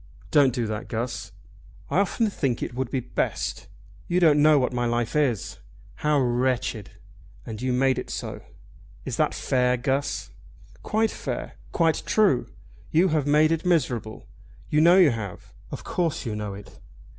"Don't do that, Guss?" "I often think it will be best. You don't know what my life is, how wretched. And you made it so." "Is that fair, Guss?" "Quite fair! Quite true! You have made it miserable. You know you have. Of course you know it."